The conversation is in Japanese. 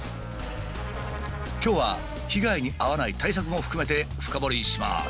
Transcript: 今日は被害に遭わない対策も含めて深掘りします。